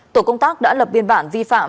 tổ công tác đã lập biên bản vi phạm